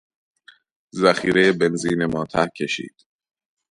ذخیرهی بنزین ما ته کشید.